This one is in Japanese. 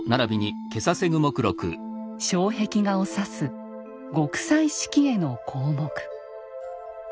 障壁画を指す「極彩色絵」の項目。